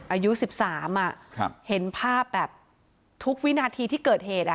อายุสิบสามอ่ะครับเห็นภาพแบบทุกวินาทีที่เกิดเหตุอ่ะ